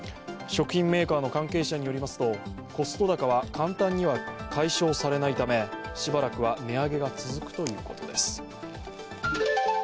食品メーカーの関係者によりますと、コスト高は簡単には解消されないためしばらくは値上げが続くということです。